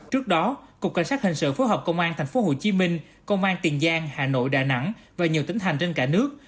trước đó cục cảnh sát hình sự phối hợp công an tp hcm công an tiền giang hà nội đà nẵng và nhiều tỉnh thành trên cả nước